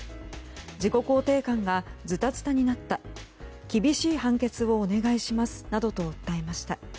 自己肯定感がズタズタになった厳しい判決をお願いしますなどと訴えました。